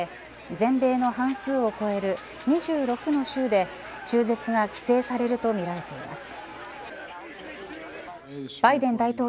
全米の半数を超える２６の州で中絶が規制されるとみられています。